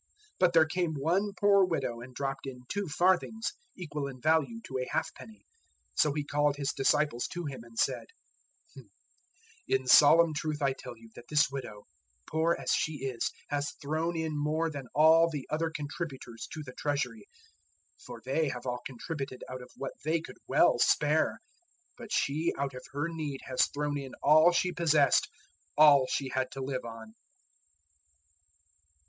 012:042 But there came one poor widow and dropped in two farthings, equal in value to a halfpenny. 012:043 So He called His disciples to Him and said, "In solemn truth I tell you that this widow, poor as she is, has thrown in more than all the other contributors to the Treasury; 012:044 for they have all contributed out of what they could well spare, but she out of her need has thrown in all she possessed all she had to live on."